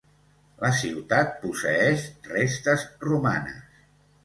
La ciutat posseeix restes romanes.